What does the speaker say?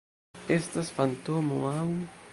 Estas fantomo aŭ...